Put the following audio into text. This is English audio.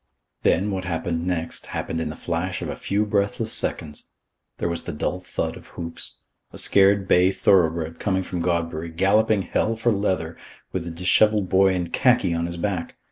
Then, what happened next, happened in the flash of a few breathless seconds. There was the dull thud of hoofs. A scared bay thoroughbred, coming from Godbury, galloping hell for leather, with a dishevelled boy in khaki on his back.